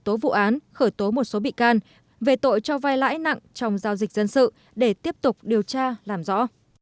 tố vụ án khởi tố một số bị can về tội cho vai lãi nặng trong giao dịch dân sự để tiếp tục điều tra làm rõ